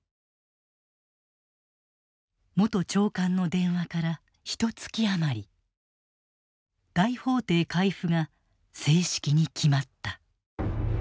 元長官の電話からひとつき余り大法廷回付が正式に決まった。